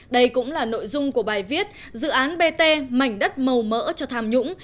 đây cũng là nội dung của bài viết dự án bt mảnh đất màu mỡ cho tham nhũng